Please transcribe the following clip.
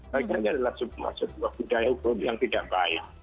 mereka ini adalah sebuah budaya hukum yang tidak baik